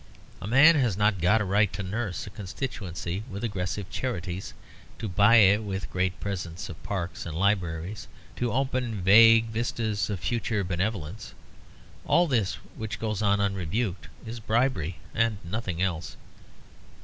A man has not got a right to "nurse" a constituency with aggressive charities, to buy it with great presents of parks and libraries, to open vague vistas of future benevolence; all this, which goes on unrebuked, is bribery and nothing else.